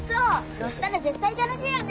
乗ったら絶対楽しいよね。